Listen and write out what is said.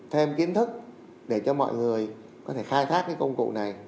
thêm kiến thức để cho mọi người có thể khai thác cái công cụ này